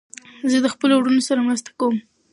زه د خپلو وروڼو سره مرسته کوم.